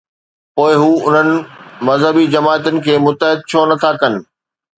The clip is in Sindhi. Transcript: پوءِ هو انهن مذهبي جماعتن کي متحد ڇو نه ٿا ڪن؟